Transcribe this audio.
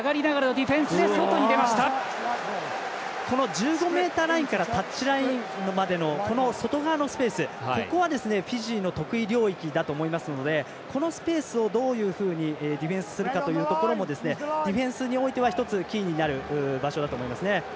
１５ｍラインからタッチラインのこの外側のスペースはフィジーの得意領域だと思いますのでこのスペースをどういうふうにディフェンスするかというところディフェンスにおいては１つキーになる場所だと思いますね。